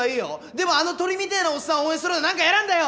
でもあの鳥みてぇなおっさんを応援するのは何か嫌なんだよ！！